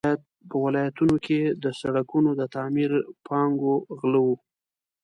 په ولایتونو کې د سړکونو د تعمیر پانګو غله وو.